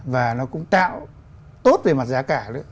và nó cũng tạo tốt về mặt giá cả nữa